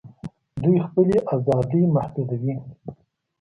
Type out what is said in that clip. دوی خپلي آزادۍ محدودوي